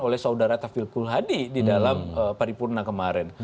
oleh saudara tafil kulhadi di dalam paripurna kemarin